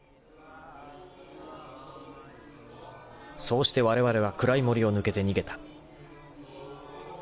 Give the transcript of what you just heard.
［そうしてわれわれは暗い森を抜けて逃げた］